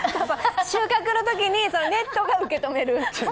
収穫のときに、ネットが受け止める。